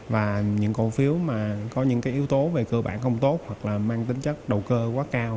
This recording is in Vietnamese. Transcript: và những cổ phiếu mà có những yếu tố về cơ bản không tốt hoặc là mang tính chất đầu cơ quá cao